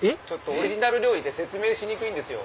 オリジナル料理で説明しにくいんですよ。